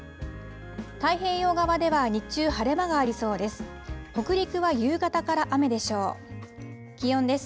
太平洋側では日中、晴れ間がありそうです。